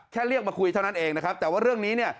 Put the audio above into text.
เรียกมาคุยเท่านั้นเองนะครับแต่ว่าเรื่องนี้เนี่ย